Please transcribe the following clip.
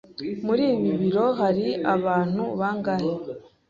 Muri ibi biro hari abantu bangahe?